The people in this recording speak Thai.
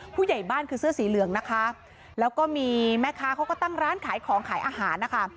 ผู้ใหญ่บ้านคือเสื้อสีเหลืองนะคะแล้วก็มีแม่ค้าเขาก็ตั้งร้านขายของขายอาหารนะคะ